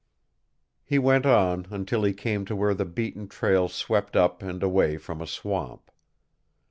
He went on until he came to where the beaten trail swept up and away from a swamp.